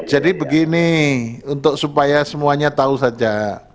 jadi begini untuk supaya semuanya tahu saja